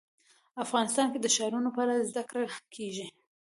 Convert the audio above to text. افغانستان کې د ښارونو په اړه زده کړه کېږي.